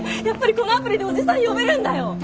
やっぱりこのアプリでおじさん呼べるんだよ。